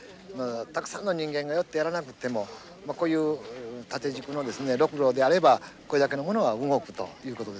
たくさんの人間が寄ってやらなくてもこういう縦軸のですねロクロであればこれだけのものは動くということですね。